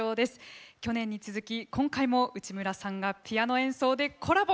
去年に続き今回も内村さんがピアノ演奏でコラボ！